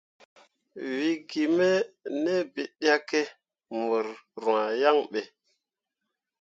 We ge me ne biɗǝkke mor rwah yan be.